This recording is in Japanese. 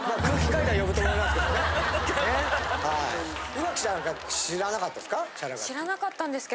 宇垣ちゃん知らなかったですか？